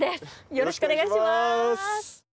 よろしくお願いします。